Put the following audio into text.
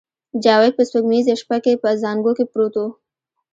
جاوید په سپوږمیزه شپه کې په زانګو کې پروت و